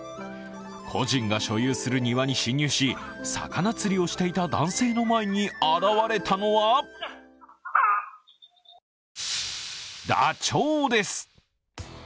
個人が所有する庭に侵入し魚釣りをしていた男性の前に現れたのはダチョウです。